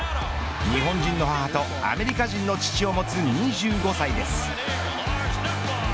日本人の母とアメリカ人の父を持つ２５歳です。